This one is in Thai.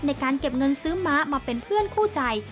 ในการเก็บเงินซื้อม้ามาเป็นเพื่อนคู่ใจ